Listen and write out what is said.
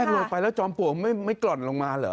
ลงไปแล้วจอมปลวกไม่กล่อนลงมาเหรอ